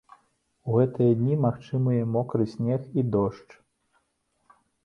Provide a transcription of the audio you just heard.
У гэтыя дні магчымыя мокры снег і дождж.